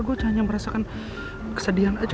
gue cuma merasakan kesedihan aja